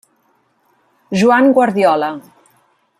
Joan Guardiola.